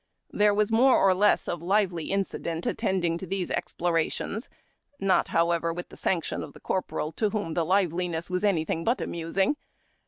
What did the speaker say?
There was more or less of lively incident attending these ex plorations — not, however, with the sanction of the corporal, to whom the liveliness was anything but amusing.